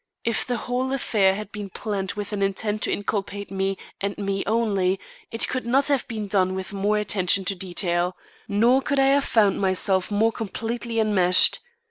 If the whole affair had been planned with an intent to inculpate me and me only, it could not have been done with more attention to detail, nor could I have found myself more completely enmeshed.